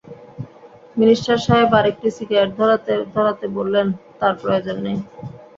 Minister সাহেব আরেকটি cigarette ধরাতে-ধরাতে বললেন, তার প্রয়োজন নেই।